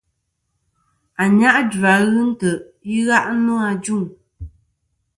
Ànyajua ghɨ ntè' i gha' nô ajuŋ.